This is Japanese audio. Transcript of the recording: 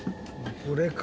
これか。